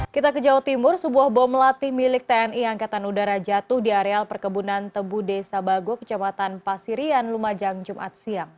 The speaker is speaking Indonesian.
kita ke jawa timur sebuah bom latih milik tni angkatan udara jatuh di areal perkebunan tebu desa bago kecamatan pasirian lumajang jumat siang